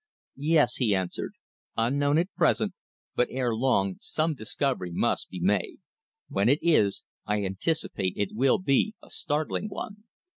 "Yes," he answered. "Unknown at present, but ere long some discovery must be made. When it is, I anticipate it will be a startling one."